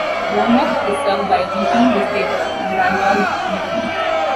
Roanoke is served by a weekly newspaper, "The Randolph Leader".